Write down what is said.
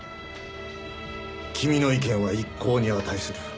君の意見は一考に値する。